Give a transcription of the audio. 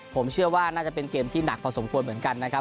ผมเชื่อว่าน่าจะเป็นเกมที่หนักพอสมควรเหมือนกันนะครับ